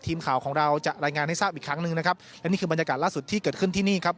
ทีมข่าวของเราจะรายงานให้ทราบอีกครั้งหนึ่งนะครับและนี่คือบรรยากาศล่าสุดที่เกิดขึ้นที่นี่ครับ